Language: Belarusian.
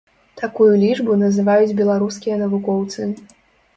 Такую лічбу называюць беларускія навукоўцы.